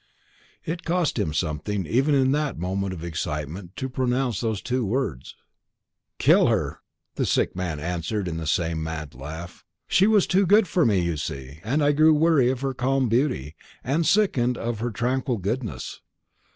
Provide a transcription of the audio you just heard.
It cost him something, even in that moment of excitement, to pronounce those two words. "Killed her!" the sick man answered with the same mad laugh. "She was too good for me, you see; and I grew weary of her calm beauty, and I sickened of her tranquil goodness.